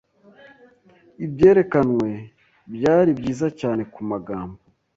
Ibyerekanwe byari byiza cyane kumagambo.